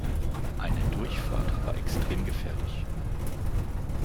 Eine Durchfahrt war extrem gefährlich.